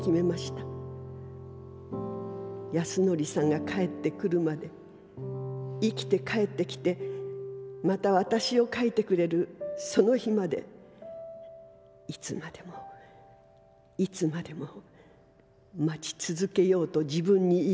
安典さんが還ってくるまで生きて還ってきてまた私を描いてくれるその日までいつまでもいつまでも待ち続けようと自分にいいきかせたのです」。